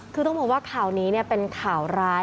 คือต้องบอกว่าข่าวนี้เป็นข่าวร้าย